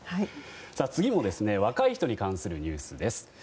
次も若い人に関するニュースです。